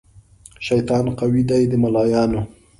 شیطان قوي دی د ملایانو